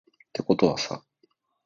てことはさ